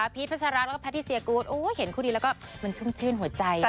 พีชพัชรักษ์แล้วก็แพทย์เซียกู๊ดโอ้เห็นคู่ดีแล้วก็มันชุ่มชื่นหัวใจ